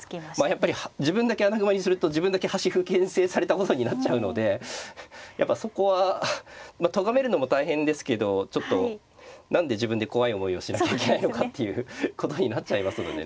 やっぱり自分だけ穴熊にすると自分だけ端歩けん制されたことになっちゃうのでやっぱそこはとがめるのも大変ですけどちょっと何で自分で怖い思いをしなきゃいけないのかっていうことになっちゃいますのでね。